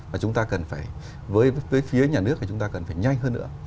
và chúng ta cần phải với phía nhà nước thì chúng ta cần phải nhanh hơn nữa